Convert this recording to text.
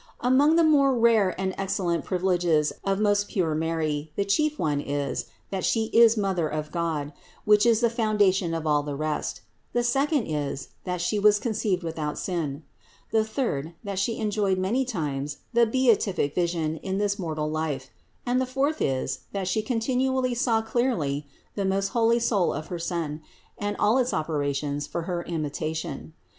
578. Among the more rare and excellent privileges of most pure Mary, the chief one is, that She is Mother of God, which is the foundation of all the rest. The second is, that She was conceived without sin. The third, that She enjoyed many times the beatific vision in this mortal life, and the fourth is that She continually saw clearly the most holy soul of her Son and all its operations for her imitation.